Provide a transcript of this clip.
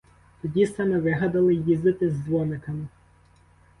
Тоді саме вигадали їздити з дзвониками.